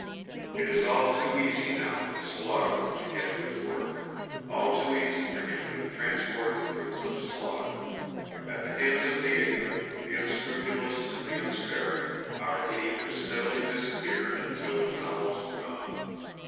It is all too easy now for the slaughterer to get to his work, all [Page 207] too easy for him to transport the fruits of the slaughter. At the hands of the ignorant, the unscrupulous and the unsparing, our game has steadily disappeared until it is almost gone.